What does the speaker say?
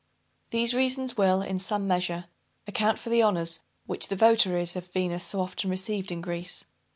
These reasons will in some measure, account for the honors, which the votaries of Venus so often received in Greece.